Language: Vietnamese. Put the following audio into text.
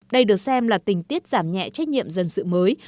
đây được xem là tình tiết giảm nhẹ trách nhiệm dân sự mới